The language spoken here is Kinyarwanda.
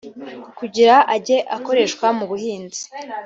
kugirango ajye akoreshwa mu buhinzi